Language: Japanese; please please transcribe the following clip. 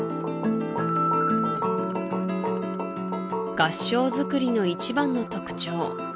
合掌造りの一番の特徴